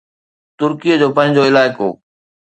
ترڪي جو پنهنجو علائقو